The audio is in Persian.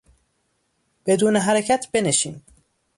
بدون حرکت بنشین!